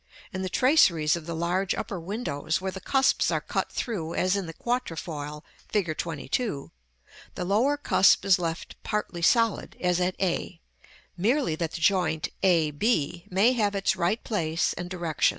In the traceries of the large upper windows, where the cusps are cut through as in the quatrefoil Fig. XXII., the lower cusp is left partly solid, as at a, merely that the joint a b may have its right place and direction.